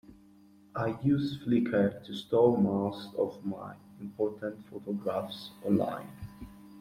I use Flickr to store most of my important photographs online